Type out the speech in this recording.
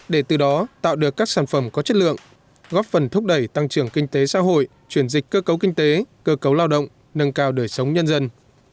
để từ đó tạo được các sản phẩm có chất lượng góp phần thúc đẩy tăng trưởng kinh tế xã hội chuyển dịch cơ cấu kinh tế cơ cấu lao động nâng cao đời sống nhân dân